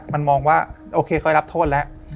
มันมองว่าโอเคเคยรับโทษแล้ว